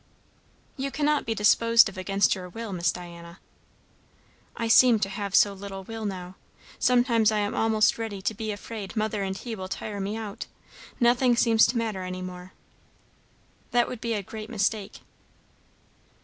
"You cannot be disposed of against your will, Miss Diana." "I seem to have so little will now. Sometimes I am almost ready to be afraid mother and he together will tire me out. Nothing seems to matter any more." "That would be a great mistake."